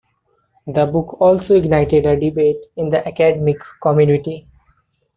The book also ignited a debate in the academic community.